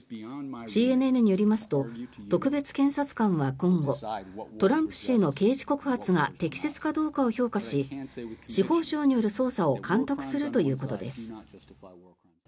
ＣＮＮによりますと特別検察官は今後トランプ氏への刑事告発が適切かどうかを評価し司法省による捜査を監督するということです。